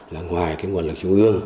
là ngoài cái nguồn lực trung ương